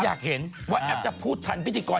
อยากเห็นว่าแอปจะพูดทันพิธีกร